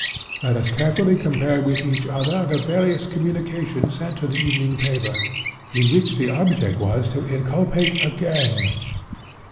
Let us carefully compare with each other the various communications sent to the evening paper, in which the object was to inculpate a gang.